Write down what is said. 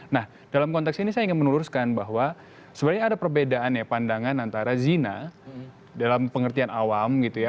nah dalam konteks ini saya ingin menuruskan bahwa sebenarnya ada perbedaan ya pandangan antara zina dalam pengertian awam gitu ya